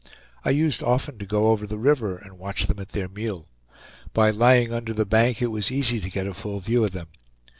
I used often to go over the river and watch them at their meal; by lying under the bank it was easy to get a full view of them.